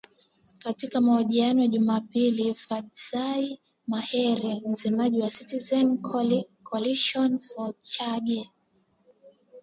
Katika mahojiano ya Jumapili, Fadzayi Mahere, msemaji wa Citizens’ Coalition for Change